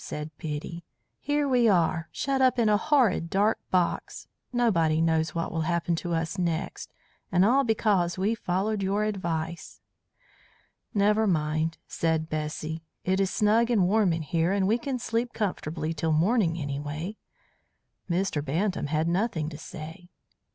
said Biddy. "Here we are, shut up in a horrid dark box; nobody knows what will happen to us next. And all because we followed your advice." "Never mind," said Bessy. "It is snug and warm in here, and we can sleep comfortably till morning, anyway." Mr. Bantam had nothing to say.